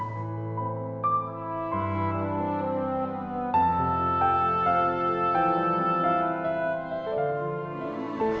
ini semua salah aku